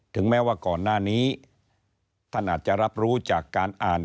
แม้ว่าก่อนหน้านี้ท่านอาจจะรับรู้จากการอ่าน